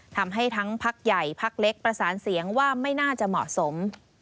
ทำให้ทั้งพักใหญ่พักเล็กประสานเสียงว่าไม่น่าจะเหมาะสม